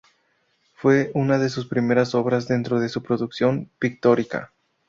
Fue una de sus primeras obras dentro de su producción pictórica.